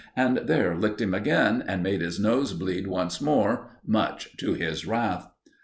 and there licked him again and made his nose bleed once more, much to his wrath.